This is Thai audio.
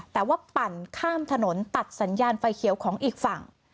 แต่ว่าปั่นข้ามถนนตัดสัญญาณไฟเขียวของอีกฝั่ง